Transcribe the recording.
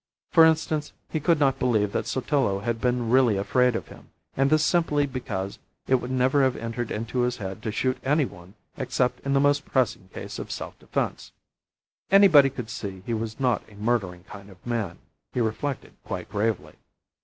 For instance, he could not believe that Sotillo had been really afraid of him, and this simply because it would never have entered into his head to shoot any one except in the most pressing case of self defence. Anybody could see he was not a murdering kind of man, he reflected quite gravely.